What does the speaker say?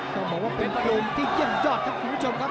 ต้องบอกว่าเป็นโยมที่เยี่ยมยอดครับคุณผู้ชมครับ